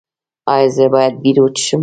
ایا زه باید بیر وڅښم؟